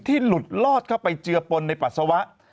หลุดลอดเข้าไปเจือปนในปัสสาวะ